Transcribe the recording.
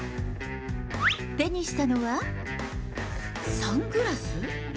手にしたのは、サングラス？